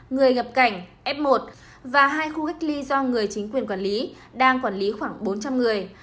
người nhập cảnh f một và hai khu cách ly do người chính quyền quản lý đang quản lý khoảng bốn trăm linh người